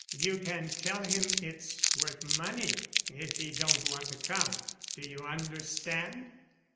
You can tell him it's worth money, if he don't want to come. Do you understand?"